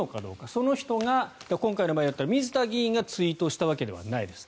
その人が今回の場合だったら杉田議員がツイートしたわけではないです。